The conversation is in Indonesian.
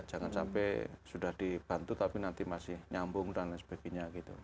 jangan sampai sudah dibantu tapi nanti masih nyambung dan lain sebagainya gitu